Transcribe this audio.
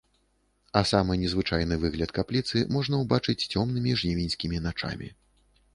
А самы незвычайны выгляд капліцы можна ўбачыць цёмнымі жнівеньскімі начамі.